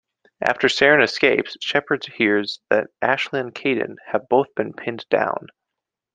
After Saren escapes, Shepard hears that Ashley and Kaidan have both been pinned down.